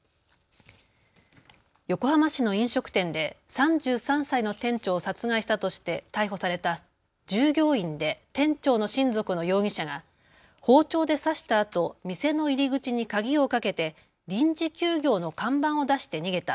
横浜市の飲食店で３３歳の店長を殺害したとして逮捕された従業員で店長の親族の容疑者が包丁で刺したあと、店の入り口に鍵をかけて臨時休業の看板を出して逃げた。